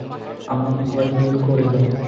আমার ভয় দূর করে দাও।